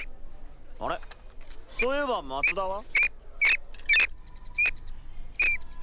あれそういえば松田は？